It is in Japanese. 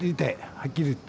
はっきり言って。